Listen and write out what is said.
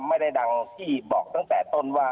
ไม่ได้ดังที่บอกตั้งแต่ต้นว่า